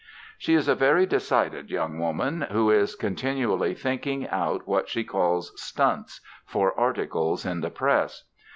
She is a very decided young woman, who is continually thinking out what she calls "stunts" for articles in the press.